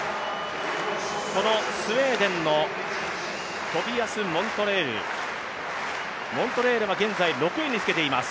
このスウェーデンのトビアス・モントレールは現在６位につけています。